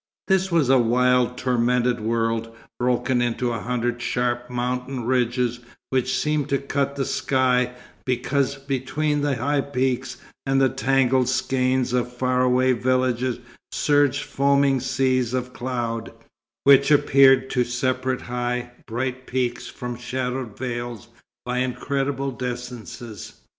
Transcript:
This was a wild, tormented world, broken into a hundred sharp mountain ridges which seemed to cut the sky, because between the high peaks and the tangled skein of far away villages surged foaming seas of cloud, which appeared to separate high, bright peaks from shadowed vales, by incredible distances.